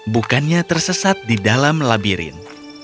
bukannya tersesat di dalam labirin